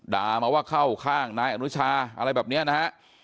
ด่ามาว่าเข้าข้างนายอนุชาอะไรแบบเนี้ยนะครับ